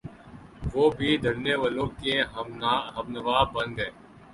وہ بھی دھرنے والوں کے ہمنوا بن گئے۔